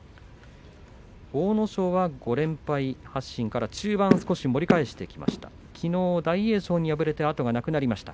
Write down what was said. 阿武咲は５連敗発進から中盤少し盛り返してきました。